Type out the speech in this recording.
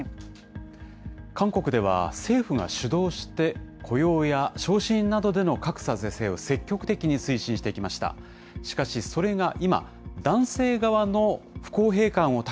韓国では政府が主導して、雇用や昇進などでの格差是正を積極的に推進してきました。